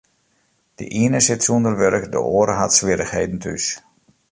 De iene sit sûnder wurk, de oare hat swierrichheden thús.